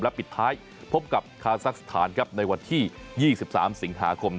ปิดท้ายพบกับคาซักสถานครับในวันที่๒๓สิงหาคม